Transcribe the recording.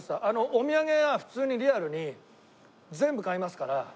お土産は普通にリアルに全部買いますから。